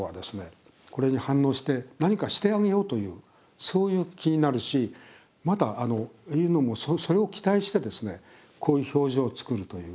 これに反応して何かしてあげようというそういう気になるしまた犬の方もそれを期待してこういう表情を作るという。